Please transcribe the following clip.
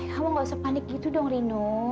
kamu gak usah panik gitu dong rino